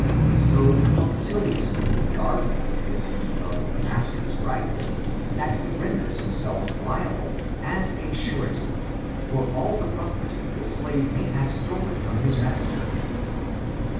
So punctiliously regardful is he of the master's rights, that he renders himself liable, as a surety, for all the property the slave may have stolen from his master.